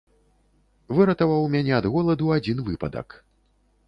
Выратаваў мяне ад голаду адзін выпадак.